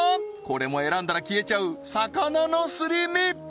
これも選んだら消えちゃう魚のすり身